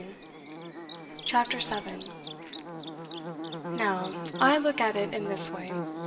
CHAPTER 7 'Now, I look at it in this way.